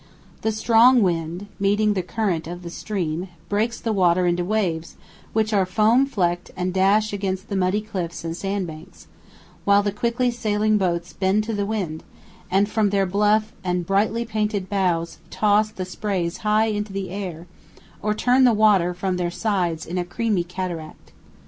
The strong wind, meeting the current of the stream, breaks the water into waves which are foam flecked and dash against the muddy cliffs and sand banks, while the quickly sailing boats bend to the wind, and from their bluff and brightly painted bows toss the sprays high into the air, or turn the water from their sides in a creamy cataract.